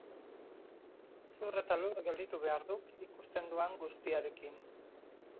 Zur eta lur gelditu behar duk ikusten duan guztiarekin.